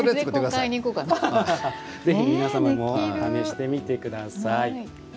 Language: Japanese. ぜひ皆さんも試してみてください。